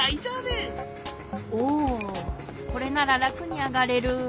おおこれなららくにあがれる。